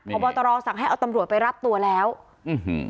พบตรสั่งให้เอาตำรวจไปรับตัวแล้วอื้อหือ